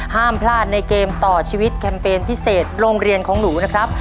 ห้ามพลาดในเกมต่อชีวิตแคมเปญพิเศษโรงเรียนของหนูนะครับ